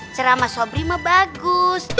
ceramah sobri mah bagus